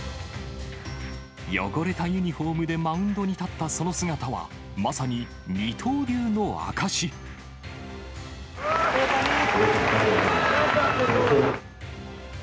汚れたユニホームでマウンドに立ったその姿は、まさに二刀流の証大谷ー！